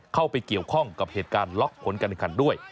เข้าไปเกี่ยวข้องกับเหตุการณ์ล็อกผลการแข่งขันด้วย